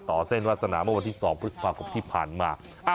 เส้นวาสนาเมื่อวันที่๒พฤษภาคมที่ผ่านมา